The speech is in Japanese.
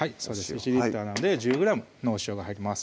１リットルなので１０ｇのお塩が入ります